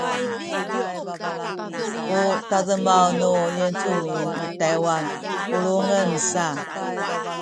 u tademaw nu Yincumin i Taywan pulungen sa